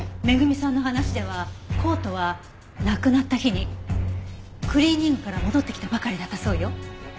恵美さんの話ではコートは亡くなった日にクリーニングから戻ってきたばかりだったそうよ。